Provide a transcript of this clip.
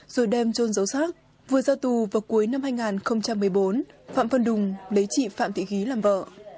rồi đem trôn dấu xác vừa ra tù vào cuối năm hai nghìn một mươi bốn phạm văn đùng lấy chị phạm tị ghi làm vợ